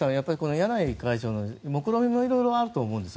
柳井会長の目論見もいろいろあると思うんですよ。